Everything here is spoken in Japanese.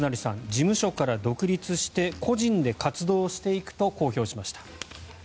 事務所から独立して個人で活動していくと公表しました。